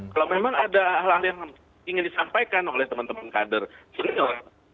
kalau memang ada hal hal yang ingin disampaikan oleh teman teman kader senior